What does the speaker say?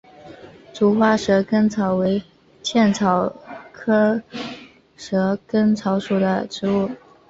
簇花蛇根草为茜草科蛇根草属的植物。